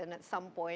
dan pada suatu saat